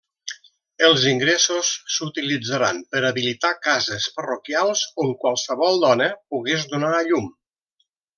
Els ingressos s'utilitzaran per habilitar cases parroquials on qualsevol dona pogués donar a llum.